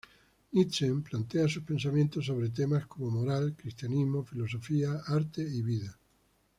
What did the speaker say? Nietzsche plantea sus pensamientos sobre temas como: moral, cristianismo, filosofía, arte y vida.